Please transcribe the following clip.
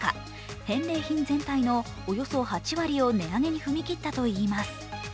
返礼品全体のおよそ８割を値上げに踏み切ったといいます。